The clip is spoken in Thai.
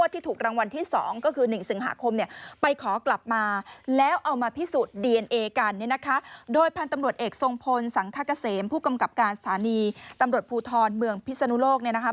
ทางค่ากระเสมผู้กำกับการสถานีตำรวจภูทรเมืองพิษณุโลกเนี่ยนะคะ